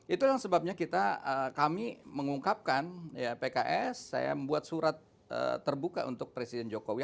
itu yang sebabnya kami mengungkapkan ya pks saya membuat surat terbuka untuk presiden jokowi